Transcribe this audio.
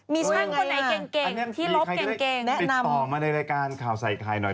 มีใครต่อมาในรายการข่าวใส่ใครหน่อย